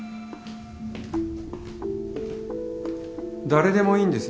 誰でもいいんですね